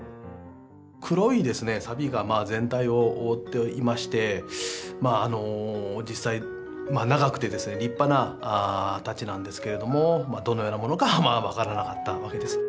黒いさびが全体を覆っていまして実際長くてですね立派な太刀なんですけれどもどのようなものかは分からなかったわけです。